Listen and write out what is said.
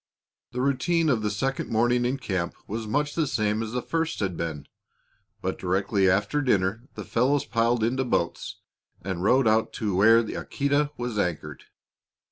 The routine of the second morning in camp was much the same as the first had been. But directly after dinner the fellows piled into boats and rowed out to where the Aquita was anchored.